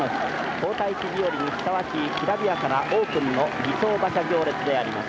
皇太子日和にふさわしいきらびやかなオープンの儀装馬車行列であります」。